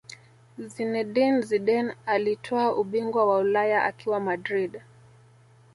Zinedine Zidane alitwaa ubingwa wa Ulaya akiwa Madrid